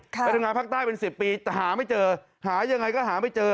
ไปทำงานภาคใต้เป็น๑๐ปีแต่หาไม่เจอหายังไงก็หาไม่เจอ